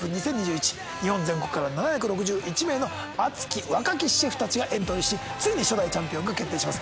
日本全国から７６１名の熱き若きシェフたちがエントリーしついに初代チャンピオンが決定します。